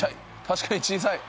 確かに小さい。